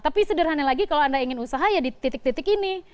tapi sederhana lagi kalau anda ingin usaha ya di titik titik ini